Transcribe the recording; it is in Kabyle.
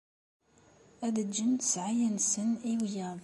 Ad d-ǧǧen ssɛaya-nsen i wiyaḍ.